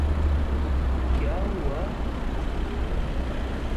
کیا ہوا؟